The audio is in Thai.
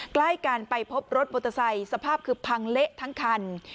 ใกล้กันไปพบรถมอเตอร์ไซค์สภาพคือพังเละทั้งคัน